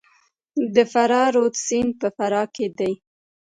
د فرا رود سیند په فراه کې دی